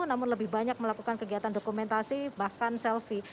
namun lebih banyak melakukan kegiatan dokumentasi bahkan selfie